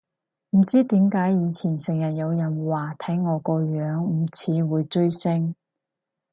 唔知點解以前成日有人話睇我個樣唔似會追星